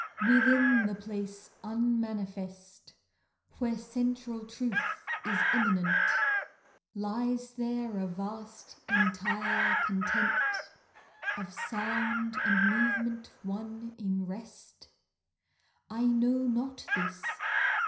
Within the place unmanifest Where central Truth is immanent, Lies there a vast, entire content Of sound and movement one in rest? I know not this.